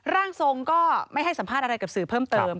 ร่างทรงก็ไม่ให้สัมภาษณ์อะไรกับสื่อเพิ่มเติม